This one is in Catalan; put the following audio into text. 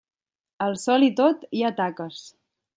Al sol i tot hi ha taques.